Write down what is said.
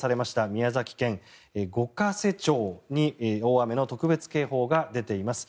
宮崎県五ヶ瀬町に大雨の特別警報が出ています。